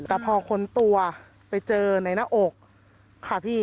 แต่พอค้นตัวไปเจอในหน้าอกค่ะพี่